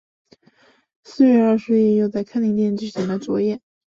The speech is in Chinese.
四月二十日又在康宁殿举行了会酌宴。